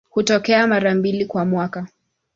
Hutokea mara mbili kwa mwaka.